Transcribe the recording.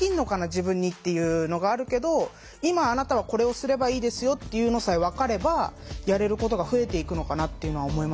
自分にっていうのがあるけど今あなたはこれをすればいいですよっていうのさえ分かればやれることが増えていくのかなっていうのは思いましたね。